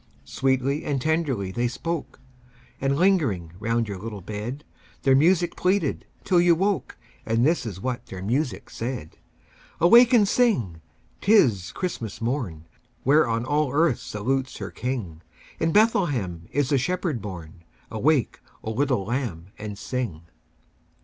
Sweetly and tenderly they spoke, And lingering round your little bed, Their music pleaded till you woke, And this is what their music said: "Awake and sing! 'tis Christmas morn, Whereon all earth salutes her King! In Bethlehem is the Shepherd born. Awake, O little lamb, and sing!"